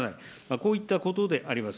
こういったことであります。